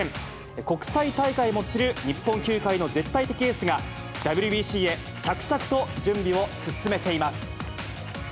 国際大会も知る日本球界の絶対的エースが、ＷＢＣへ、着々と準備を進めています。